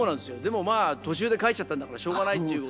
でもまあ途中で帰っちゃったんだからしょうがないっていうことで。